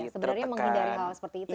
sebenarnya menghindari hal seperti itu ya